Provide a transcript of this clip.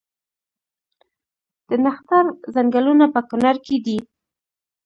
د نښتر ځنګلونه په کنړ کې دي؟